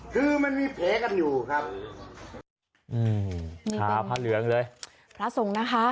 คือมันมีแผลกันอยู่ครับอืมขาพระเหลืองเลยพระสงฆ์นะคะ